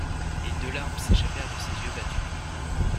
Et deux larmes s'échappèrent de ses yeux battus.